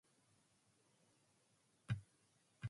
The episode reveals that she has a degree in archaeology.